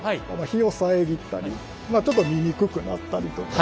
日を遮ったりちょっと見にくくなったりとか。